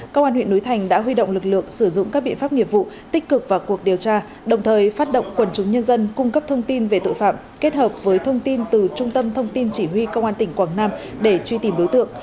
công an huyện núi thành đã huy động lực lượng sử dụng các biện pháp nghiệp vụ tích cực vào cuộc điều tra đồng thời phát động quần chúng nhân dân cung cấp thông tin về tội phạm kết hợp với thông tin từ trung tâm thông tin chỉ huy công an tỉnh quảng nam để truy tìm đối tượng